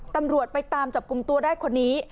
ตำรวจไปตามจับกลุ่มตัวได้คนนี้